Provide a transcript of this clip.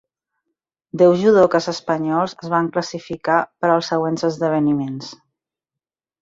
Deu judokes espanyols es van classificar per als següents esdeveniments.